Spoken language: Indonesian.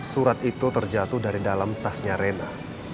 surat itu terjatuh dari dalam tasnya rena